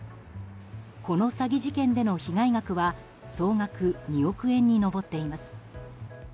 この詐欺事件での被害額は総額２億円に上っています。